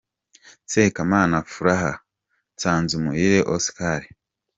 Sekamana Furaha& Nsanzumuhire Oscar.